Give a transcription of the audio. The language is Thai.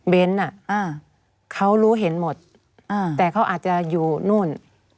เขารู้เห็นหมดแต่เขาอาจจะอยู่นู่น